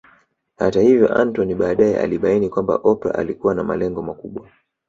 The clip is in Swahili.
Hata hivyo Anthony baadae alibaini kwamba Oprah alikuwa na malengo makubwa